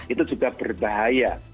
itu juga berbahaya